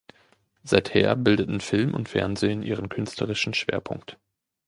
Seither bildeten Film und Fernsehen ihren künstlerischen Schwerpunkt.